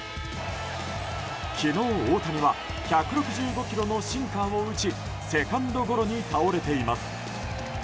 昨日、大谷は１６５キロのシンカーを打ちセカンドゴロに倒れています。